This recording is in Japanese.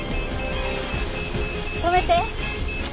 止めて。